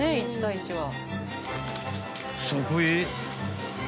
［そこへ］